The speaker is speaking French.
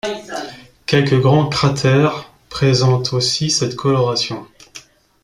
Quelques grands cratères présentent aussi cette coloration.